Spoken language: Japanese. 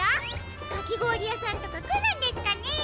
かきごおりやさんとかくるんですかね？